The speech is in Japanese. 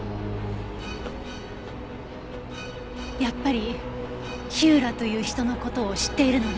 やっぱり火浦という人の事を知っているのね。